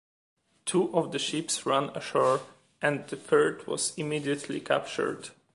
Two of the ships ran ashore and the third was immediately captured.